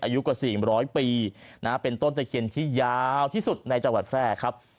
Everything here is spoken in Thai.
อายุกว่า๔๐๐ปีเป็นต้นตะเคียนที่ยาวที่สุดในจังหวัดแพร่ครับ